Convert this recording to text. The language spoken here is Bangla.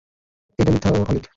এটা মিথ্যা ও অলীক।